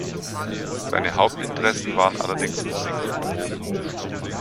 Seine Hauptinteressen waren allerdings Musik und Drogen.